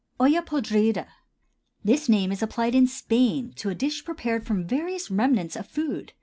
OLLA PODRIDA. This name is applied in Spain to a dish prepared from various remnants of food.